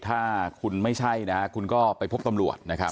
ถ้าคุณไม่ใช่นะคุณก็ไปพบตำรวจนะครับ